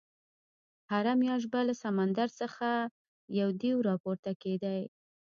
هره میاشت به له سمندر څخه یو دېو راپورته کېدی.